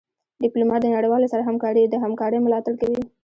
ډيپلومات د نړېوالو سره د همکارۍ ملاتړ کوي.